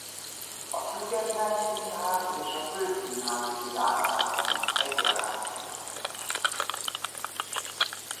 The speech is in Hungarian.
A független színház és a kőszínházi világában egyaránt otthon van.